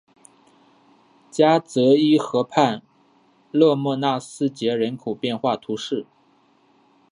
加泽伊河畔勒莫纳斯捷人口变化图示